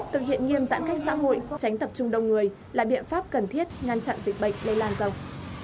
thực hiện nghiêm giãn cách xã hội tránh tập trung đông người là biện pháp cần thiết ngăn chặn dịch bệnh lây lan rộng